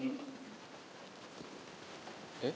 えっ？